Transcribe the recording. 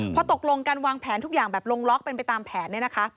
พอตกลงการวางแผนทุกอย่างแบบลงล็อกเป็นไปตามแผน